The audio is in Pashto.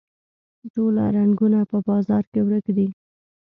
ټوله رنګونه په بازار کې ورک دي